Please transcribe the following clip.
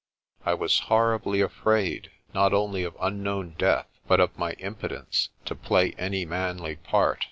I was horribly afraid, not only of unknown death, but of my impotence to play any manly part.